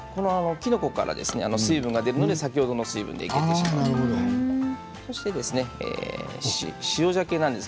きのこから水分が出るので先ほどの水分で大丈夫なんですよ。